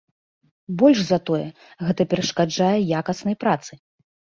Больш за тое, гэта перашкаджае якаснай працы.